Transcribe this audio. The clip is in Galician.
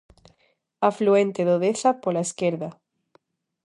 Afluente do Deza pola esquerda.